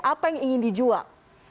apa yang ingin dijual